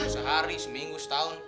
sehari seminggu setahun